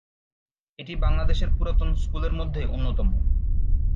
এটি বাংলাদেশের পুরাতন স্কুলের মধ্যে অন্যতম।